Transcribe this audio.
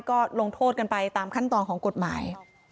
ก็ลงโทษกันไปตามขั้นตอนของกฎหมาย